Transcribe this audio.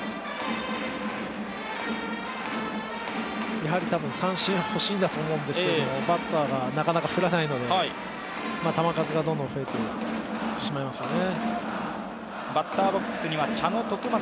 やはり三振が欲しいんだと思うんですけど、バッターが振らないので、球数がどんどん増えていってしまいますね。